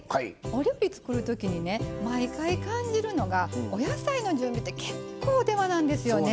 お料理作る時にね毎回感じるのがお野菜の準備って結構手間なんですよね。